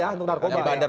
yang narkoba ya